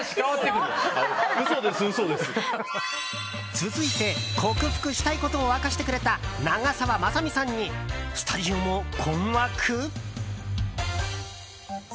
続いて、克服したいことを明かしてくれた長澤まさみさんにスタジオも困惑？